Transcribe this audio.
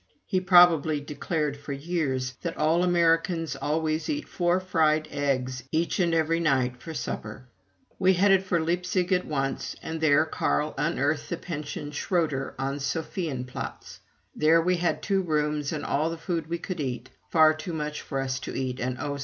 He probably declared for years that all Americans always eat four fried eggs each and every night for supper. We headed for Leipzig at once, and there Carl unearthed the Pension Schröter on Sophien Platz. There we had two rooms and all the food we could eat, far too much for us to eat, and oh!